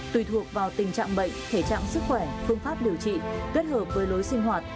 tùy thuộc vào tình trạng bệnh thể trạng sức khỏe phương pháp điều trị kết hợp với lối sinh hoạt